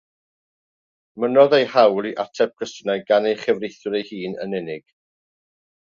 Mynnodd ei hawl i ateb cwestiynau gan ei chyfreithiwr ei hun yn unig.